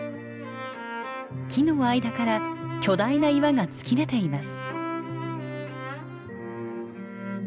木の間から巨大な岩が突き出ています。